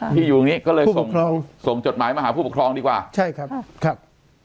ที่อยู่อย่างงี้ก็เลยส่งจดหมายมาหาผู้ปกครองดีกว่าใช่ครับครับ